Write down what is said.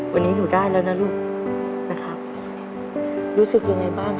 แน่นะลูกเนอะที่เขาไม่ซื้อให้หนูเข้าใจใช่ไหมลูก